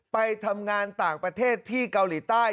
ไปทำงานต่างประเทศที่เกาหลีใต้